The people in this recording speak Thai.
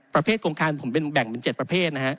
ประเภทโครงคารผมแบ่งเป็น๗ประเภท